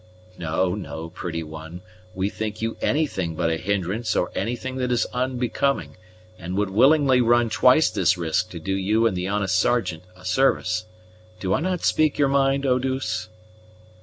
"No, no, pretty one; we think you anything but a hindrance or anything that is unbecoming, and would willingly run twice this risk to do you and the honest Sergeant a service. Do I not speak your mind, Eau douce?"